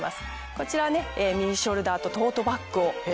こちらはミニショルダーとトートバッグを。